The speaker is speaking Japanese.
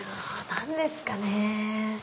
何ですかね。